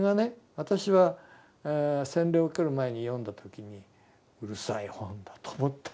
私は洗礼を受ける前に読んだ時にうるさい本だと思ったんですよ。